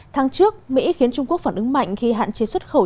tháng trước mỹ khiến trung quốc phản ứng mạnh khi hạn chế xuất khẩu